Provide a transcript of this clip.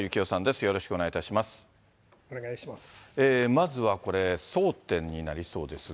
まずはこれ、争点になりそうですが。